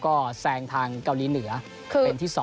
ก็แซงทางเกาหลีเหนือเป็นที่๒